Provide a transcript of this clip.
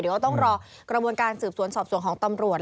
เดี๋ยวก็ต้องรอกระบวนการสืบสวนสอบสวนของตำรวจ